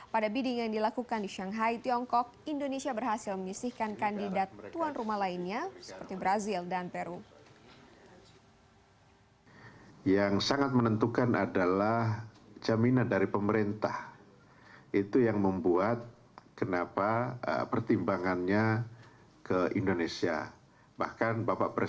pada bidding yang dilakukan di shanghai tiongkok indonesia berhasil menyisihkan kandidat tuan rumah lainnya seperti brazil dan peru